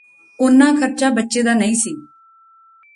ਉਨ੍ਹਾਂ ਖੱਰਚਾ ਬੱਚੇ ਦਾ ਨਹੀਂ ਸੀ